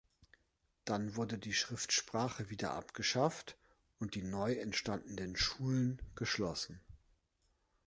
Dann wurde die Schriftsprache wieder abgeschafft, und die neu entstandenen Schulen geschlossen.